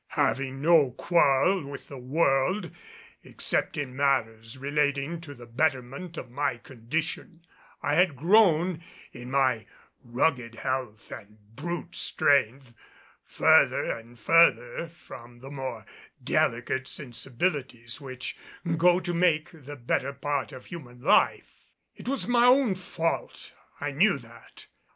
Having no quarrel with the world except in matters relating to the betterment of my condition, I had grown in my rugged health and brute strength further and further from the more delicate sensibilities which go to make the better part of human life. It was my own fault. I knew that.